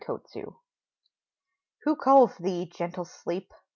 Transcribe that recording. SLEEP Who calls thee *' gentle Sleep?"